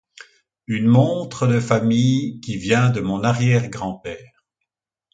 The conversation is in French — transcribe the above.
Une montre de famille, qui vient de mon arrière-grand-père!